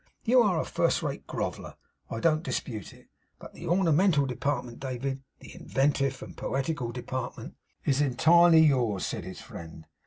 You are a first rate groveller. I don't dispute it. But the ornamental department, David; the inventive and poetical department ' 'Is entirely yours,' said his friend.